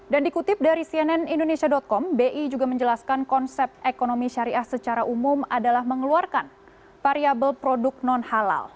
dan dikutip dari cnn indonesia com bi juga menjelaskan konsep ekonomi syariah secara umum adalah mengeluarkan variable produk non halal